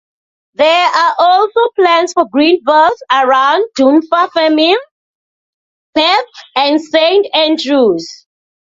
There are also plans for green belts around Dunfermline, Perth and Saint Andrews.